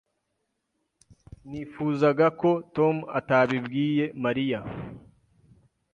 Nifuzaga ko Tom atabibwiye Mariya.